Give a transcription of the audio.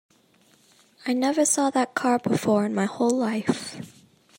I never saw that car before in my whole life.